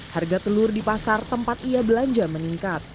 harga telur di pasar tempat ia belanja meningkat